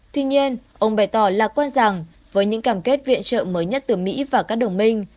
tuy nhiên ông bày tỏ lạc quan rằng với những cảm kết viện trợ mới nhất từ mỹ và các đồng minh